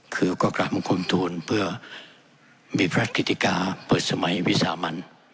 คือกว่ากราบมงคลมทูณเพื่อมีพรัฐคิติกาเปิดสมัยวิทยาลัยมัน